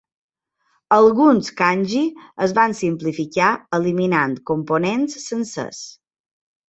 Alguns kanji es van simplificar eliminant components sencers.